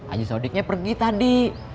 ani saudiknya pergi tadi